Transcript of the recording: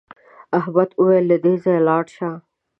احمد وویل له دې ځایه لاړ شه.